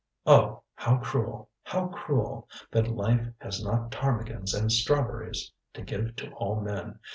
Oh! How cruel, how cruel! that life has not ptarmigans and strawberries to give to all men.